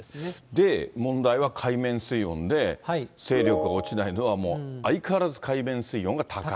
で、問題は海面水温で、勢力が落ちないのはもう相変わらず海面水温が高い。